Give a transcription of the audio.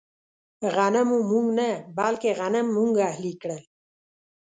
غنمو موږ نه، بلکې غنم موږ اهلي کړل.